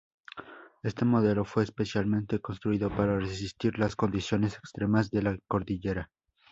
Este modelo fue especialmente construido para resistir la condiciones extremas de la cordillera.